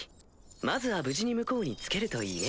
まずは無事に向こうに着けるといいね。